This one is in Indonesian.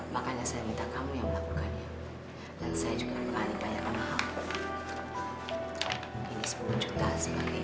makanya saya minta kamu yang melakukannya dan saya juga berani bayar mahal ini sepuluh juta sebagai